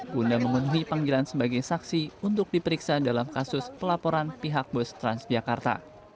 guna memenuhi panggilan sebagai saksi untuk diperiksa dalam kasus pelaporan pihak bus transjakarta